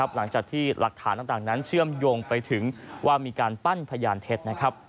หลังจากที่หลักฐานต่างนั้นเชื่อมโยงไปถึงว่ามีการปั้นพยานเท็จ